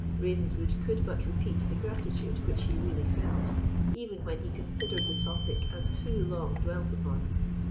Ravenswood could but repeat the gratitude which he really felt, even when he considered the topic as too long dwelt upon.